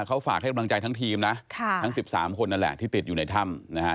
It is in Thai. เขาฝากให้กำลังใจทั้งทีมนะทั้ง๑๓คนนั่นแหละที่ติดอยู่ในถ้ำนะฮะ